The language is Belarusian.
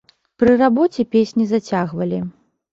Пры рабоце песні зацягвалі.